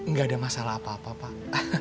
nggak ada masalah apa apa pak